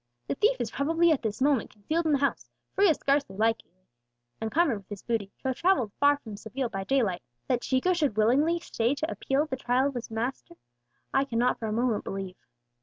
The thief is probably at this moment concealed in the house, for he is scarcely likely, encumbered with his booty, to have travelled far from Seville by daylight. That Chico should willingly stay to appeal at the trial of his deeply wronged master I cannot for a moment believe.